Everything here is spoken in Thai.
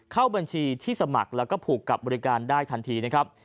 เข้าบัญชีที่สมัครแล้วก็ผูกกับบริการได้ทันทีนะครับ